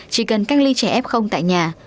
chỉ cần cách ly trẻ f tại nhà